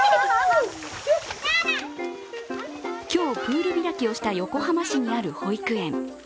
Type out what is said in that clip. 今日、プール開きをした横浜市にある保育園。